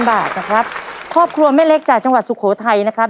บาทนะครับครอบครัวแม่เล็กจากจังหวัดสุโขทัยนะครับ